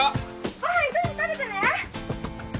☎ご飯急いで食べてね！